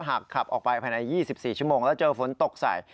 หากขับออกไปภายใน๒๔ชั่วโมงแล้วเจอฝนตกใส่